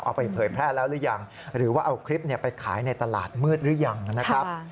ไปเผยแพร่แล้วหรือยังหรือว่าเอาคลิปไปขายในตลาดมืดหรือยังนะครับ